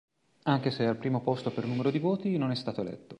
Anche se al primo posto per numero di voti, non è stato eletto.